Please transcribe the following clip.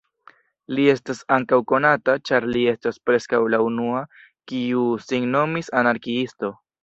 Li estas ankaŭ konata ĉar li estas preskaŭ la unua kiu sin nomis "anarkiisto".